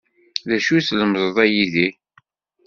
D acu i tlemdeḍ a Yidir?